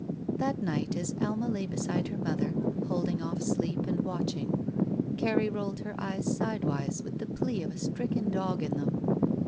That night as Alma lay beside her mother, holding oflf sleep and watching, Carrie rolled her eyes side wise with the plea of a stricken dog in them.